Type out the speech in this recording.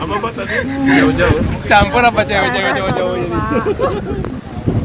apa pak tadi jauh jauh